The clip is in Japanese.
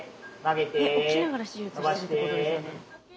えっ起きながら手術してるってことですよね。